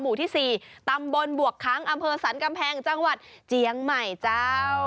หมู่ที่๔ตำบลบวกค้างอำเภอสรรกำแพงจังหวัดเจียงใหม่เจ้า